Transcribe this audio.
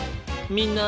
みんな。